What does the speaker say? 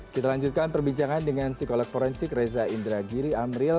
kita lanjutkan perbincangan dengan psikolog forensik reza indragiri amril